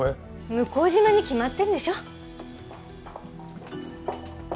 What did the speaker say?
向島に決まってるでしょ。